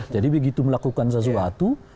jadi begitu melakukan sesuatu